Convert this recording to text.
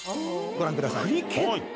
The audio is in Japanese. ご覧ください。